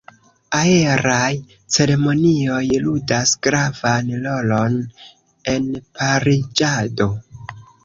Aeraj ceremonioj ludas gravan rolon en pariĝado.